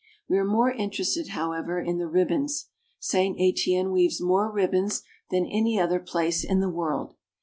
We are more interested, however, in the ribbons. St. Etienne weaves more ribbons than any other place in the world.